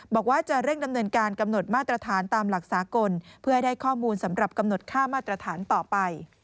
บอกว่าจะเร่งดำเนินการกำหนดมาตรฐานตามหลักสากลเพื่อให้ได้ข้อมูลสำหรับกำหนดค่ามาตรฐานต่อไป